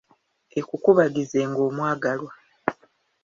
Ekukubagizenga, omwagalwa!